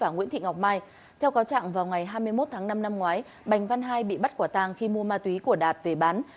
nguyễn thị ngọc mai theo cáo trạng vào ngày hai mươi một tháng năm năm ngoái bành văn hai bị bắt quả tàng khi mua ma túy của đạt về bán